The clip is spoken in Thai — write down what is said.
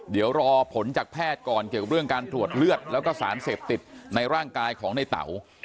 เดี๋ยวรอผลจากแพทย์ก่อนเกี่ยวกับเรื่องการตรวจเลือดแล้วก็สารเสพติดในร่างกายของในเต๋า